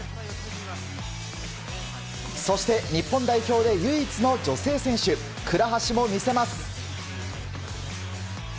そして、日本代表で唯一の女性選手倉橋も見せます。